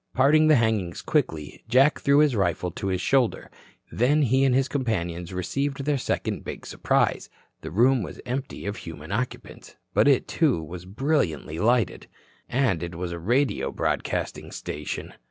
Parting the hangings quickly, Jack threw his rifle to his shoulder. Then he and his companions received their second big surprise. The room was empty of human occupants. But it, too, was brilliantly lighted. And it was a radio broadcasting station.